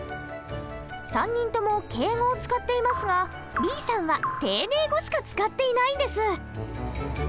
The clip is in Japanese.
３人とも敬語を使っていますがＢさんは丁寧語しか使っていないんです。